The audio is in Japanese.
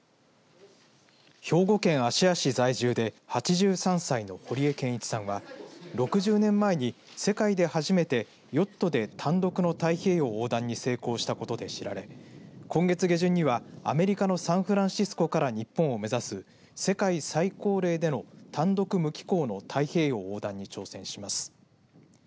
兵庫県芦屋市在住で８３歳の堀江謙一さんは６０年前に世界で初めてヨットで単独の太平洋横断に成功したことで知られ今月下旬にはアメリカのサンフランシスコから日本を目指す世界最高齢での単独無寄港の太平洋横断に挑戦します。